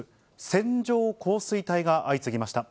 線状降水帯が相次ぎました。